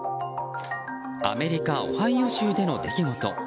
アメリカ・オハイオ州での出来事。